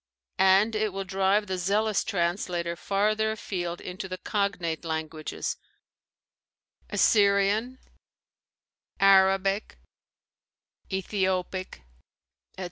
and it will drive the zealous translator farther afield into the cognate languages, Assyrian, Arabic, Ethiopic, etc.